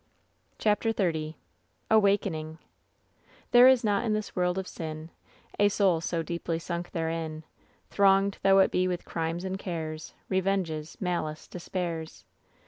'^ CHAPTER XXX AWAKENING There is not in this world of sin A soul so deeply sunk therein, Thronged though it be with crimes and cares, Eevenges, malices, despairs.